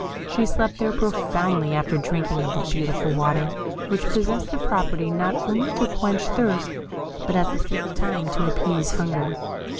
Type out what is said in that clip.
She slept there profoundly after drinking of the beautiful water, which possessed the property not only to quench thirst, but at the same time to appease hunger.